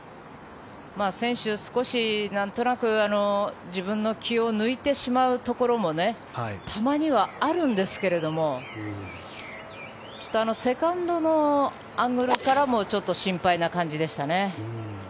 選手は少し、なんとなく自分の気を抜いてしまうところもたまにはあるんですけどもセカンドのアングルからもちょっと心配な感じでしたね。